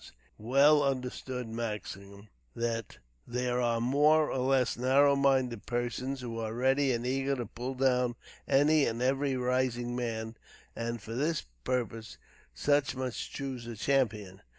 It is a well well understood maxim, that there are more or less narrow minded persons who are ready and eager to pull down any and every rising man; and, for this purpose, such must choose a champion.